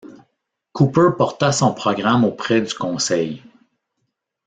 Cooper porta son programme auprès du Conseil.